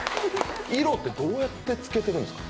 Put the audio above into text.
色って、どうやってつけてるんですか？